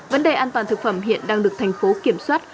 vấn đề an toàn thực phẩm hiện đang được thành phố kiểm soát